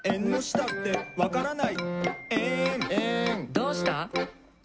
「どうした？」